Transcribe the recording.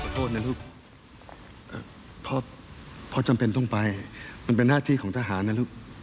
โทษนะลูกเพราะจำเป็นต้องไปมันเป็นหน้าที่ของทหารนะลูก